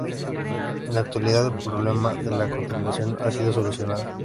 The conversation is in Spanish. En la actualidad el problema de la contaminación ha sido solucionada.